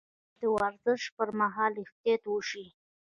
باید د ورزش پر مهال احتیاط وشي.